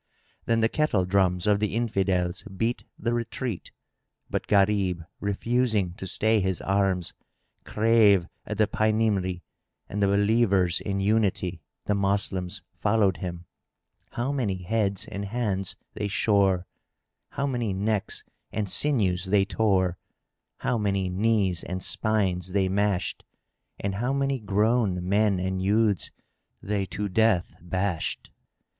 Then the kettle drums of the Infidels beat the retreat, but Gharib, refusing to stay his arms, drave at the Paynimry, and the Believers in Unity, the Moslems, followed him. How many heads and hands they shore, how many necks and sinews they tore, how many knees and spines they mashed and how many grown men and youths they to death bashed!